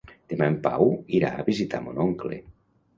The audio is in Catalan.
Demà en Pau irà a visitar mon oncle.